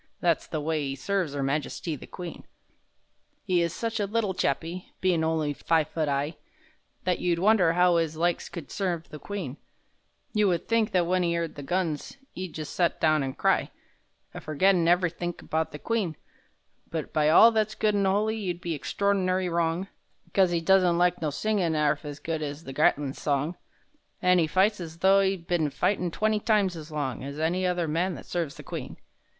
(That's the way 'e serves 'Er Majesty the Queen!) 'E is such a little chappie, Bein' only five foot 'igh, That you'd wonder how 'is likes could serve the Queen; You would think that when 'e 'eard the guns 'E'd just set down an' cry— A forgettin' ev'rythink about the Queen; But by all that's good an' holy, you'd be extraord'ny wrong, 'Cos 'e doesn't like no singin' 'arf as good 's the Gatlin's song, An' 'e fights as though 'e'd been a fightin' twenty times as long As any other man that serves the Queen!